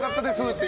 って